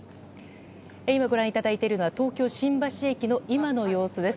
今ご覧いただいているのは東京・新橋駅の今の様子です。